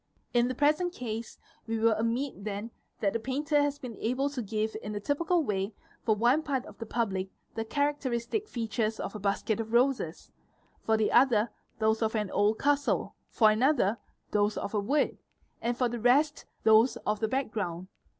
In the present case we will admit then that the painter ~ has been able to give in a typical way for one part of the public the ~ characteristic features of a basket of roses, for the other those of an .# PERCEPTION 61 old castle, for another those of a wood, and for the rest those of the background.